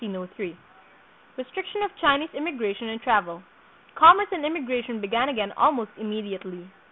Restriction of Chinese Immigration and Travel. Commerce and immigration began again almost immediately.